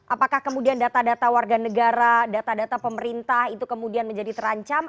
apakah kemudian data data warga negara data data pemerintah itu kemudian menjadi terancam